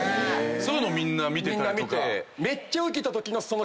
そういうのみんな見てたりとか。